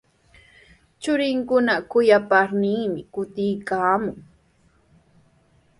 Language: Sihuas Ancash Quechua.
Churinkuna kuyaparninmi kutiykaamun.